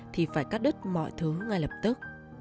thì phải cắt đứt mọi thứ ngay lập tức